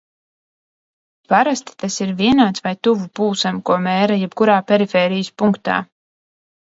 Parasti tas ir vienāds vai tuvu pulsam, ko mēra jebkurā perifērijas punktā.